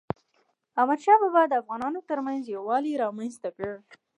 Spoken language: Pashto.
احمدشاه بابا د افغانانو ترمنځ یووالی رامنځته کړ.